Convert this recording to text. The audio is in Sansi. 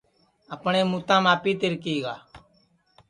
اپٹؔیں موتام آپی تِرکی گا